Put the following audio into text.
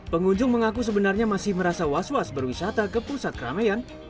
pengunjung mengaku sebenarnya masih merasa was was berwisata ke pusat keramaian